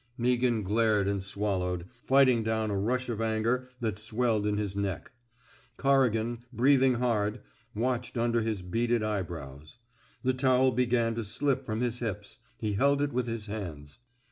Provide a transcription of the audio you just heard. " Meaghan glared and swallowed, fighting down a rush of anger that swelled in his neck. Corrigan, breathing hard, watched him under beaded eyebrows. The towel be gan to slip from his hips; he held it with his hands.